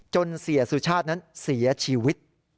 เสียสุชาตินั้นเสียชีวิต